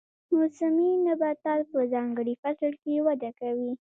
موسمي نباتات په ځانګړي فصل کې وده کوي